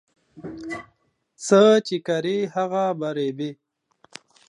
څه چي کرې، هغه به رېبې.